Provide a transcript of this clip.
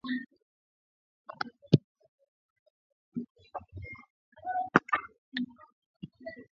Kipindi cha ukame huchangia sana maambukizi wanayama wanapo kunywa maji pamoja